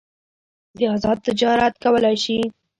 ازاد تجارت کولای شي.